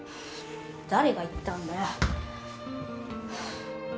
誰が言ったんだよ？